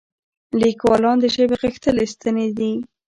لیکوالان د ژبې غښتلي ستني دي.